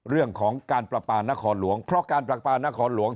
เรื่องของการประปานครหลวงเพราะการปราปานครหลวง